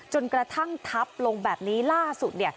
จนกระทั่งทับลงแบบนี้ล่าสุดเนี่ย